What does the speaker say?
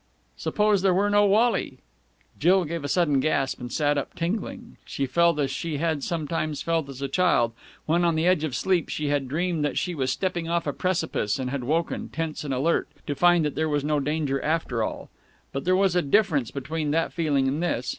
Suppose there were no Wally...? Jill gave a sudden gasp, and sat up, tingling. She felt as she had sometimes felt as a child, when, on the edge of sleep, she had dreamed that she was stepping off a precipice and had woken, tense and alert, to find that there was no danger after all. But there was a difference between that feeling and this.